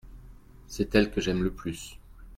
c'est elle que j'aime le plus.